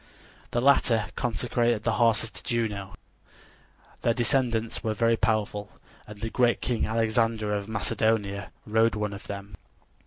The latter consecrated the horses to Juno. Their descendants were very powerful, and the great king Alexander of Macedonia rode one of them.